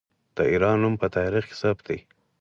د ایران نوم په تاریخ کې ثبت دی.